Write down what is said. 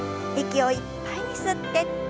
息をいっぱいに吸って。